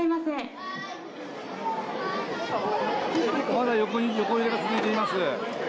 まだ横揺れが続いています。